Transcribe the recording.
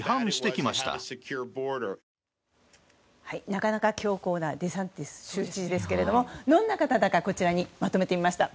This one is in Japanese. なかなか強硬なデサンティス州知事ですけどもどんな方かこちらにまとめてみました。